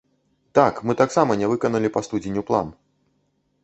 Так, мы таксама не выканалі па студзеню план.